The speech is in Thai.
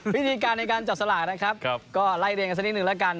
วิธีการในการจับสลากนะครับก็ไล่เรียงกันสักนิดหนึ่งแล้วกัน